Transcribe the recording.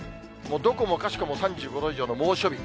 どこもかしこも３５度以上の猛暑日。